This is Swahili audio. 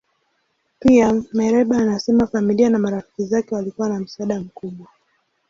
Pia, Mereba anasema familia na marafiki zake walikuwa na msaada mkubwa.